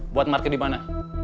buat market dimana